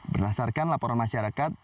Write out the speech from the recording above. berdasarkan laporan masyarakat